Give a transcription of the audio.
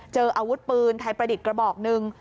เจออาวุธปืนไทยประดิษฐ์กระบอกหนึ่ง